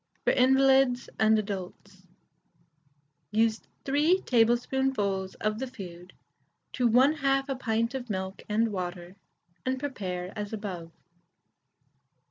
FOR INVALIDS AND ADULTS. Use 3 teaspoonfuls of the food to 1/2 a pint of milk and water, and prepare as above.